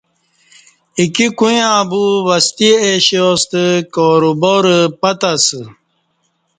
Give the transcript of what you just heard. ایکی کویاں بو وسطی ایشیاستہ کاروبارہ پت اسہ